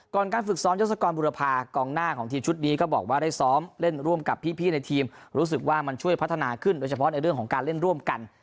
การฝึกซ้อมยศกรบุรพากองหน้าของทีมชุดนี้ก็บอกว่าได้ซ้อมเล่นร่วมกับพี่ในทีมรู้สึกว่ามันช่วยพัฒนาขึ้นโดยเฉพาะในเรื่องของการเล่นร่วมกัน